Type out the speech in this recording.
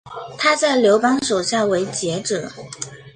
他在刘邦手下为谒者。